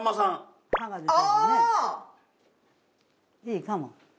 「いいかも」。